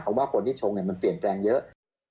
เพราะว่าคนที่ชงมันเปลี่ยนแปลงเยอะ